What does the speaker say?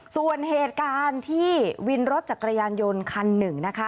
ส่วนเหตุการณ์ที่วินรถจักรยานยนต์คันหนึ่งนะคะ